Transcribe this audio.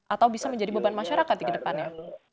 atau bisa menjadi beban masyarakat di kedepannya